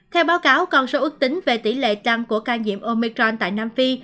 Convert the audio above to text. theo báo cáo con số ước tính về tỷ lệ tăng của ca nhiễm omicron tại nam phi